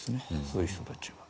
そういう人たちは。